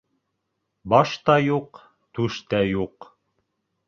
Баш та юҡ, түш тә юҡ.